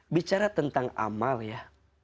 bicara tentang amal ya